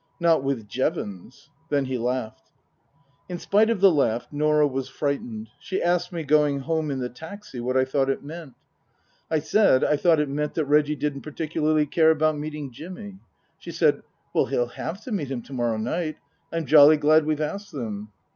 " Not with Jevons." Then he laughed. In spite of the laugh Norah was frightened. She asked me, going home in the taxi, what I thought it meant. Book II : Her Book 175 I said I thought it meant that Reggie didn't particularly care about meeting Jimmy. She said, " Well, he'll have to meet him to morrow night. I'm jolly glad we've asked them."